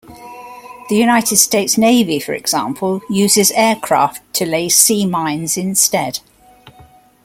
The United States Navy, for example, uses aircraft to lay sea mines instead.